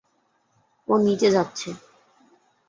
ও নিচে যাচ্ছে!